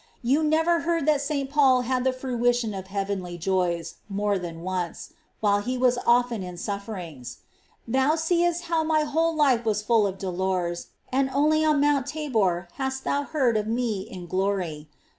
You never heard that S. Paul had the fruition of heavenly joys more than once ; while he was often in sufferings.^ Thou seest how My whole life was full of dolors, and only on Mount Tabor hast thou heard of Me in glory.